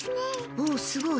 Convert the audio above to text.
おお、すごい。